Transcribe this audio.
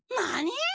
何！？